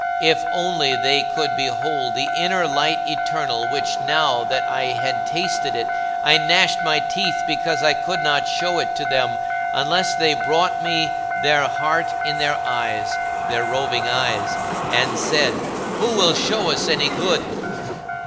If only they could behold the inner Light Eternal which, now that I had tasted it, I gnashed my teeth because I could not show it to them unless they brought me their heart in their eyes their roving eyes and said, "Who will show us any good?"